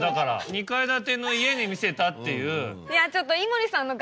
２階建ての家に見せたっていう。